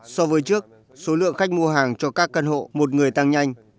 so với trước số lượng khách mua hàng cho các căn hộ một người tăng nhanh